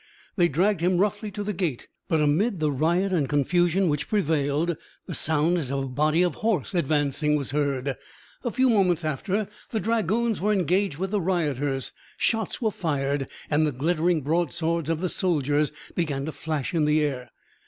They dragged him roughly to the gate, but amid the riot and confusion which prevailed, the sound as of a body of horse advancing was heard. A few moments after, the dragoons were engaged with the rioters. Shots were fired, and the glittering broadswords of the soldiers began to flash in the air.